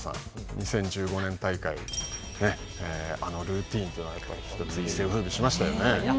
２０１５年大会ねあのルーティーンっていうのは一世を風靡しましたよね。